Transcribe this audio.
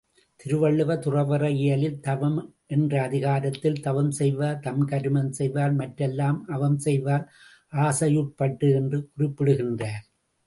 திருவள்ளுவர் துறவற இயலில் தவம் என்றஅதிகாரத்தில் தவம்செய்வார் தங்கருமம் செய்வார் மற்றெல்லாம் அவம்செய்வார் ஆசையுட் பட்டு என்று குறிப்பிடுகின்றார்.